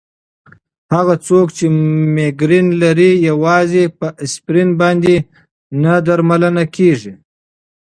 هغه څوک چې مېګرین لري، یوازې په اسپرین باندې نه درملنه کېږي.